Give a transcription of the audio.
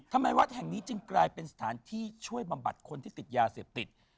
วัดแห่งนี้จึงกลายเป็นสถานที่ช่วยบำบัดคนที่ติดยาเสพติด